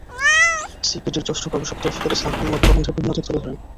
সিপিডির জ্যেষ্ঠ গবেষক তৌফিকুল ইসলাম খান মূল প্রবন্ধের বিভিন্ন দিক তুলে ধরেন।